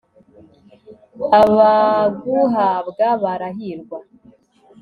abaguhabwa barahirwa